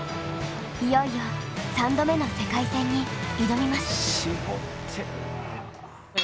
いよいよ３度目の世界戦に挑みます。